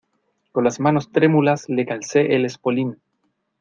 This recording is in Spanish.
con las manos trémulas le calcé el espolín.